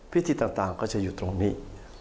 พิธีต่างก็จะอยู่ตรงนี้